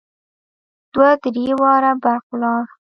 دوه درې واره برق ولاړ.